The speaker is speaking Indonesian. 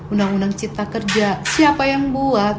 undang undang cipta kerja siapa yang buat